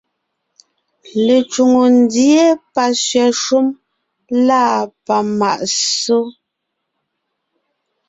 Lecwòŋo ndíe, pasẅɛ̀ shúm lâ pamàʼ ssó;